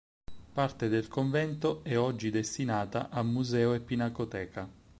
Parte del convento è oggi destinata a museo e pinacoteca.